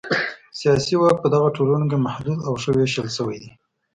سیاسي واک په دغو ټولنو کې محدود او ښه وېشل شوی دی.